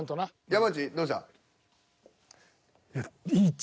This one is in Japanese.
山内どうした？